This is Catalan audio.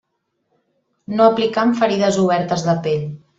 No aplicar en ferides obertes de pell.